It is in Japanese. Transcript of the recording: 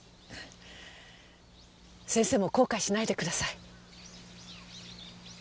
先生も後悔しないでください。